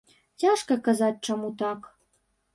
Цяжка казаць, чаму так.